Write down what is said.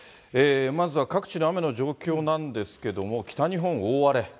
まずは各地の雨の状況なんですけども、北日本大荒れ。